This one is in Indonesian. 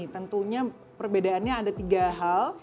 tentunya perbedaannya ada tiga hal